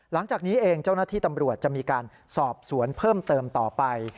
หลังจากนี้เองเจ้าหน้าที่ตำรวจจะมีการสอบสวนเพิ่มเติมต่อไป